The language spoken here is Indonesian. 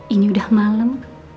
ini udah malem